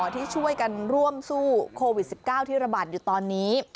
ที่ช่วยกันร่วมสู้โควิด๑๙ที่ระบาดอยู่ตอนนี้